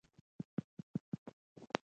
درېغه پيرۍ خم کړې دَځوانۍ سمه شمشاده